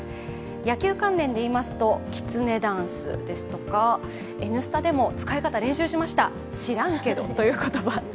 野球関連で言いますときつねダンスですとか「Ｎスタ」でも使い方練習しました「知らんけど」という言葉。